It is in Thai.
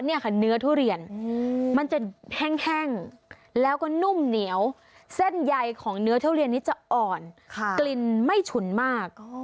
นี่ค่ะเนื้อทุเรียนมันจะแห้งแล้วก็นุ่มเหนียวเส้นใยของเนื้อทุเรียนนี้จะอ่อนกลิ่นไม่ฉุนมาก